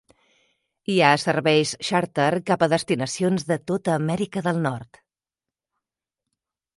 Hi ha serveis xàrter cap a destinacions de tota Amèrica del Nord.